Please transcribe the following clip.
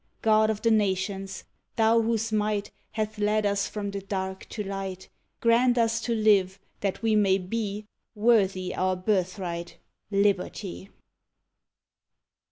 God of the Nations! Thou whose might Hath led us from the dark to light, Grant us to live that we may be Worthy our birthright Liberty!